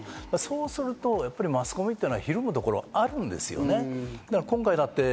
そうするとマスコミはひるむところがあるんですね。